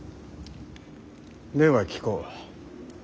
では聞こう。